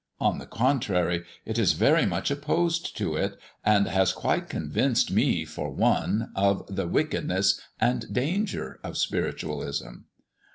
On the contrary, it is very much opposed to it, and has quite convinced me for one of the wickedness and danger of spiritualism."